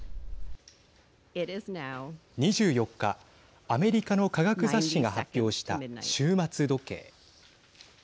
２４日アメリカの科学雑誌が発表した終末時計。